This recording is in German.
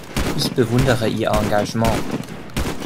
Ich bewundere Ihr Engagement.